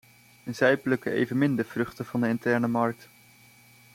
Zij plukken evenmin de vruchten van de interne markt.